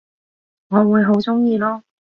我會好鍾意囉